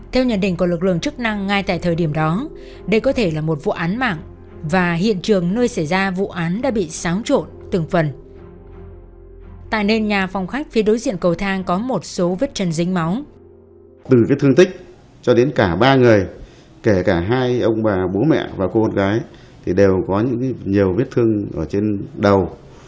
theo nhận định của lực lượng chức năng ngay tại thời điểm đó đây có thể là một vụ án mạng và hiện trường nơi xảy ra vụ án đã bị sáng trộn từng phần tại nên nhà phòng khách phía đối diện cầu thang có một số vết chân dính máu